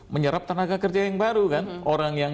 menyerap tenaga kerja yang baru kan orang yang